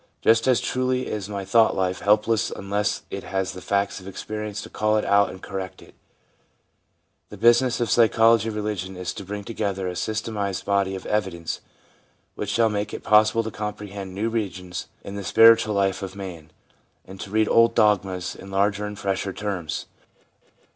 Just as truly is my thought life helpless unless it has the facts of experience to call it out and correct it. The business of the psychology of religion is to bring together a systematised body of evidence which shall make it possible to comprehend new regions in the INTRODUCTION 7 spiritual life of man, and to read old dogmas in larger and fresher terms.